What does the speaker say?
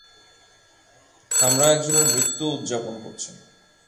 আমরা একজনের মৃত্যু উদযাপন করছি।